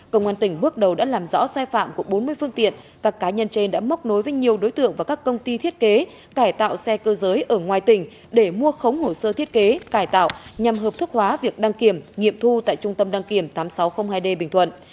công an tỉnh bước đầu đã làm rõ sai phạm của bốn mươi phương tiện các cá nhân trên đã móc nối với nhiều đối tượng và các công ty thiết kế cải tạo xe cơ giới ở ngoài tỉnh để mua khống hồ sơ thiết kế cải tạo nhằm hợp thức hóa việc đăng kiểm nghiệm thu tại trung tâm đăng kiểm tám nghìn sáu trăm linh hai d bình thuận